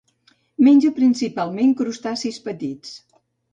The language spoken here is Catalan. Menja principalment crustacis petits.